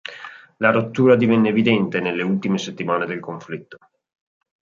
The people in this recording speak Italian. La rottura divenne evidente nelle ultime settimane del conflitto.